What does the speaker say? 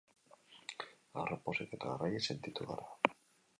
Harro, pozik eta garaile sentitu gara.